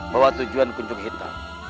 bahwa tujuan kunjung hitam